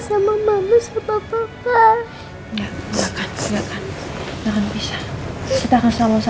kita akan sama sama terus kok sayang